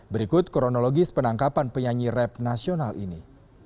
berikut kronologis penangkapan penyanyi rap nasional ini